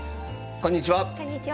こんにちは。